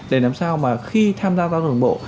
để làm sao mà khi tham gia giao thông đường bộ